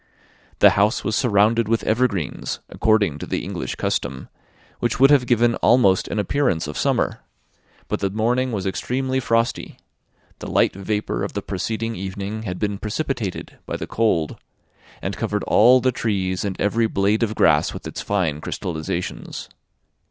The house was surrounded with evergreens, according to the English custom, which would have given almost an appearance of summer; but the morning was extremely frosty; the light vapour of the preceding evening had been precipitated by the cold, and covered all the trees and every blade of grass with its fine crystallisations.